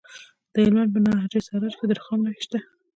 د هلمند په ناهري سراج کې د رخام نښې شته.